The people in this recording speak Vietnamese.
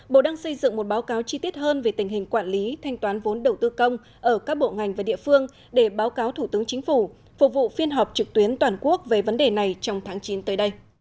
bộ đang xây dựng một báo cáo chi tiết hơn về tình hình quản lý thanh toán vốn đầu tư công ở các bộ ngành và địa phương để báo cáo thủ tướng chính phủ phục vụ phiên họp trực tuyến toàn quốc về vấn đề này trong tháng chín tới đây